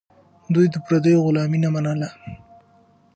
دوی د پردیو غلامي نه منله.